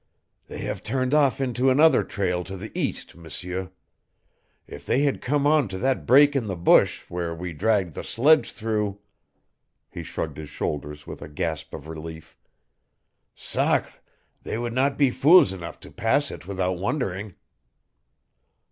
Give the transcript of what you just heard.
"They have turned off into another trail to the east, M'seur. If they had come on to that break in the bush where we dragged the sledge through " He shrugged his shoulders with a gasp of relief. "Sacre, they would not be fools enough to pass it without wondering!"